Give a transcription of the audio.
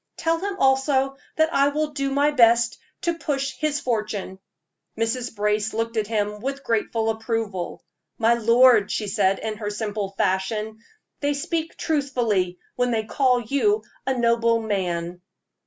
Tell him also that I will do my best to push his fortune." Mrs. Brace looked at him with grateful approval. "My lord," she said, in her simple fashion, "they speak truthfully when they call you a noble man."